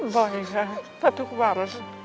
บ่อยค่ะเพราะทุกวัน